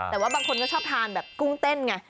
แต่ว่าบางคนก็ชอบทานแบบกุ้งเต้นไง